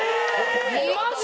マジ！？